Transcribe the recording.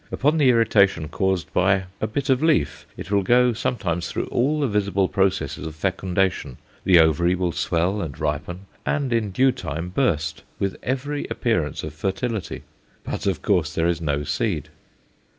Upon the irritation caused by a bit of leaf, it will go sometimes through all the visible processes of fecundation, the ovary will swell and ripen, and in due time burst, with every appearance of fertility; but, of course, there is no seed.